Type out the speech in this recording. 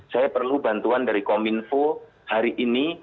saya perlu bantuan dari kominfo hari ini